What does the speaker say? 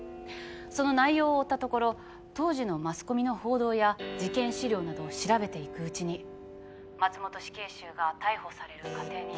その内容を追ったところ当時のマスコミの報道や事件資料などを調べていくうちに松本死刑囚が逮捕される過程に。